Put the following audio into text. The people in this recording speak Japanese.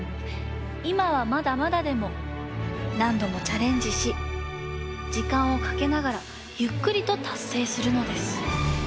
いまはまだまだでもなんどもチャレンジしじかんをかけながらゆっくりとたっせいするのです。